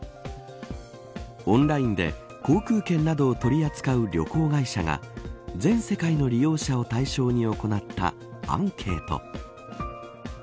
オンラインで航空券などを取り扱う旅行会社が全世界の利用者を対象に行ったアンケート。